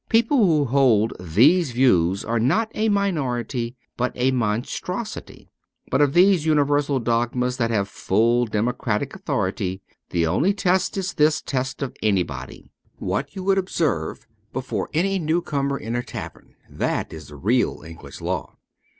People who hold these views are not a minority, but a mon strosity. But of these universal dogmas that have full democratic authority the only test is this test of anybody : what you would observe before any new comer in a tavern — that is the real English law.